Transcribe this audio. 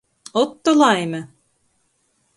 Ot, to laime!